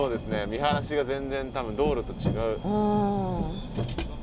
見晴らしが全然道路と違う。